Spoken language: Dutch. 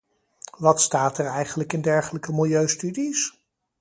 Wat staat er eigenlijk in dergelijke milieustudies?